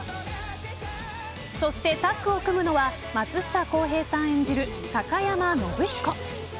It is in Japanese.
そして、タッグを組むのは松下洸平さん演じる貴山伸彦。